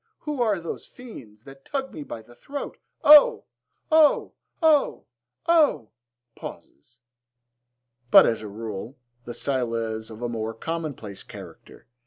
Who are those fiends That tug me by the throat? O! O! O! O! (Pauses.) But, as a rule, the style is of a more commonplace character.